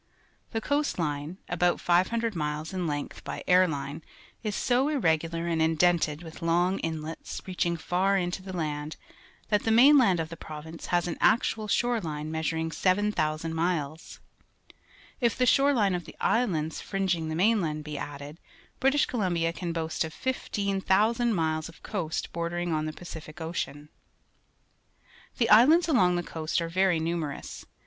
The coast line, about 500 miles in Pulp and Paper Mills, Howe Sound, British Columbia length by air line, is so irregular and indented with long inlets, reaching far into the land, that the mainland of the pro\'ince has an actual shore line measuring 7,000 miles. If the shore hne of the islands fringing the mainland be added, British Columbia can boast of 15,000 miles of coast bordering on the Pacific Ocean. The islands along the coast are very numerous.